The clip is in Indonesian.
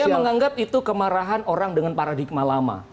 saya menganggap itu kemarahan orang dengan paradigma lama